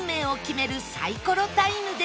サイコロタイムです